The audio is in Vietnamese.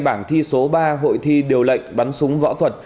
bảng thi số ba hội thi điều lệnh bắn súng võ thuật